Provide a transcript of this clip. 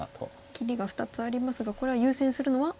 切りが２つありますがこれは優先するのは？